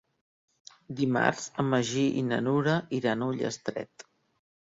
Dimarts en Magí i na Nura iran a Ullastret.